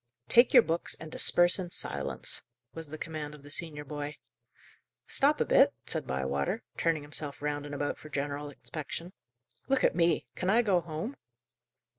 "Take your books, and disperse in silence," was the command of the senior boy. "Stop a bit," said Bywater, turning himself round and about for general inspection. "Look at me! Can I go home?"